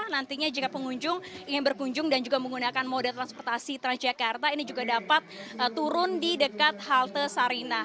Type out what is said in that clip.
nantinya jika pengunjung ingin berkunjung dan juga menggunakan moda transportasi transjakarta ini juga dapat turun di dekat halte sarina